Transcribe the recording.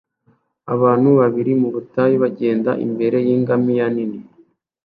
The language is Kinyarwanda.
abantu babiri mubutayu bagenda imbere yingamiya nini